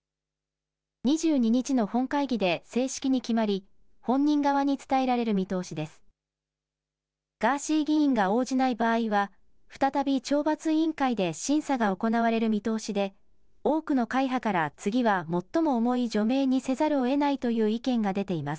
２２日の本会議で正式に決まり本人側に伝えられる見通しです。